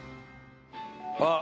あっ！